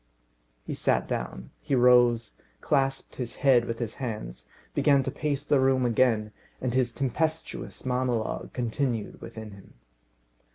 He sat down, he rose, clasped his head with his hands, began to pace the room again, and his tempestuous monologue continued within him.